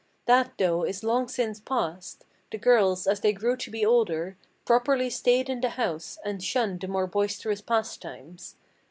That, though, is long since past: the girls, as they grew to be older, Properly stayed in the house, and shunned the more boisterous pastimes.